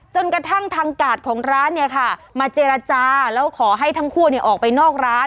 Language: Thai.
จนกระทั่งทางกาดของร้านเนี่ยค่ะมาเจรจาแล้วขอให้ทั้งคู่ออกไปนอกร้าน